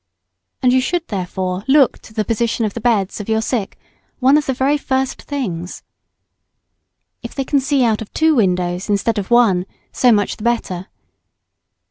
And you should therefore look to the position of the beds of your sick one of the very first things. If they can see out of two windows instead of one, so much the better.